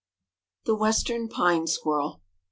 THE WESTERN PINE SQUIRREL.